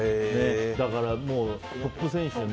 だから、トップ選手に。